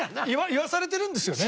言わされてるんですよね。